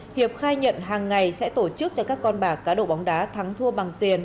hiệp khai nhận hàng ngày sẽ tổ chức cho các con bạc cá độ bóng đá thắng thua bằng tiền